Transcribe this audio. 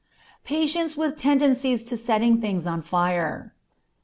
_Patients with Tendencies to Setting Things on Fire.